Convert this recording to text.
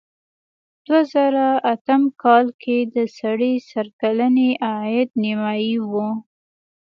دوه زره اته کال کې د سړي سر کلنی عاید نیمايي و.